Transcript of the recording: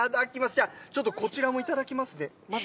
じゃあ、ちょっとこちらも頂きますね。